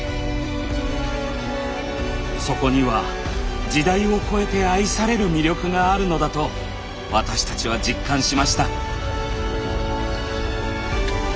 そこには時代を超えて愛される魅力があるのだと私たちは実感しました。